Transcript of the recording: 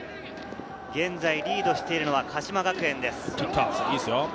現在リードしているのは鹿島学園です。